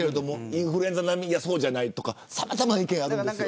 インフルエンザ並みそうじゃないとかさまざま意見があります。